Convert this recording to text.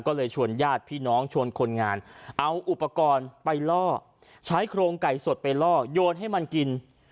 ก็เลยชวนญาติพี่น้องชวนคนงานเอาอุปกรณ์ไปล่อใช้โครงไก่สดไปล่อโยนให้มันกิน